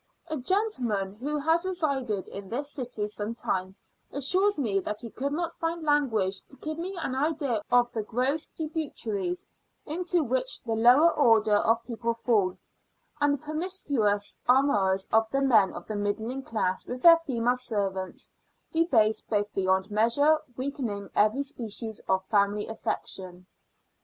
A gentleman, who has resided in this city some time, assures me that he could not find language to give me an idea of the gross debaucheries into which the lower order of people fall; and the promiscuous amours of the men of the middling class with their female servants debase both beyond measure, weakening every species of family affection.